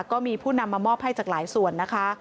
ก็มีผู้นำมามอบให้จากหลายส่วนนะคะ